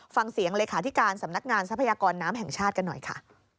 ฟังเสียงเลขาธิการสำนักงานทรัพยากรน้ำแห่งชาติกันหน่อยค่ะ